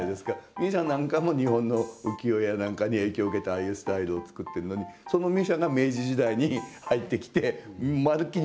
ミュシャなんかも日本の浮世絵や何かに影響を受けてああいうスタイルを作っているのにそのミュシャが明治時代に入ってきてまるっきり